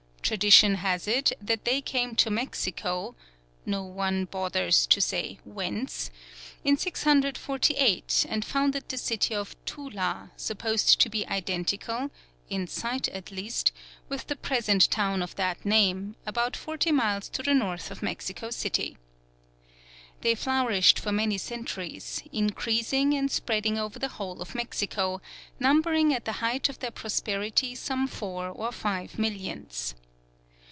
Tradition has it that they came to Mexico (no one bothers to say whence) in 648 and founded the city of Tula, supposed to be identical (in site at least) with the present town of that name, about forty miles to the north of Mexico City. They flourished for many centuries, increasing and spreading over the whole of Mexico, numbering at the height of their prosperity some four or five millions.